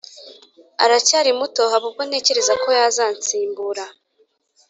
aracyari muto haba ubwo ntekereza ko yazansimbura